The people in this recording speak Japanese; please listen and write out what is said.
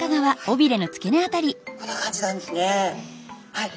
はい。